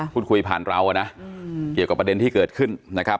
พูดคุยผ่านเรานะเกี่ยวกับประเด็นที่เกิดขึ้นนะครับ